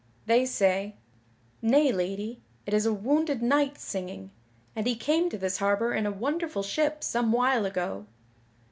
They say: "Nay, Lady, it is a wounded knight singing, and he came to this harbor in a wonderful ship some while ago."